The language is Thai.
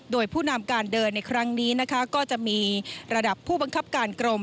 โดยผู้นำการเดินในครั้งนี้นะคะก็จะมีระดับผู้บังคับการกรม